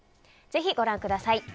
ぜひ、ご覧ください。